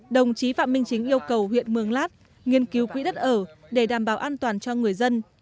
đồng chí phạm minh chính yêu cầu huyện mường lát nghiên cứu quỹ đất ở để đảm bảo an toàn cho người dân